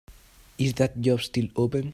Is that job still open?